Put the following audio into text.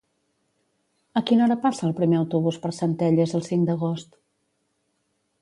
A quina hora passa el primer autobús per Centelles el cinc d'agost?